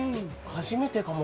初めてかも。